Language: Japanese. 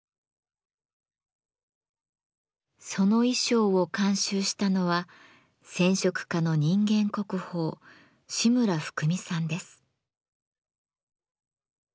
その衣装を監修したのは染織家の人間国宝志村ふくみさんです。